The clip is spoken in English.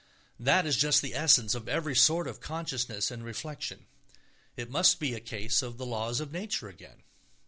That is just the essence of every sort of consciousness and reflection. It must be a case of the laws of nature again.